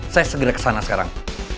saya segera kesana sekarang